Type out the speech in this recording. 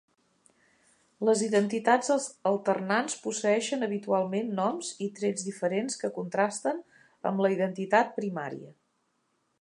Les identitats alternants posseeixen habitualment noms i trets diferents que contrasten amb la identitat primària.